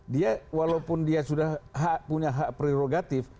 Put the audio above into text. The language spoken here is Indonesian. dia walaupun dia sudah punya hak prerogatif